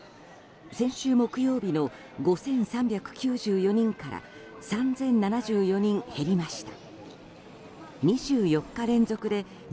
先週木曜日の５３９４人から３０７４人減りました。